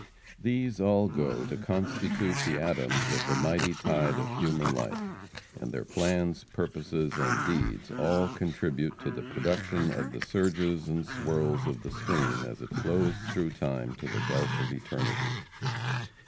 These all go to constitute the atoms of the mighty tide of human life; and their plans, purposes and deeds all contribute to the production of the surges and swirls of the stream as it flows through time to the gulf of eternity.